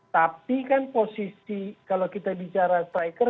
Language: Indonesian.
tapi kan posisi kalau kita bicara striker